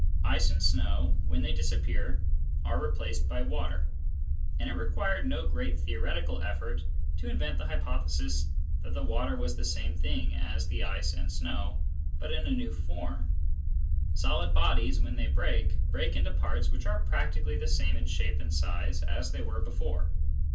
Ice and snow, when they disappear, are replaced by water ; and it required no great theoretical Digitized by Google WORLDS OF PHYSICS AND OF SENSE 103 effort to invent the hypothesis that the water was the same thing as the ice and snow, but in a new form. Solid bodies, when they break, break into parts which are practically the same in shape and size as they were before.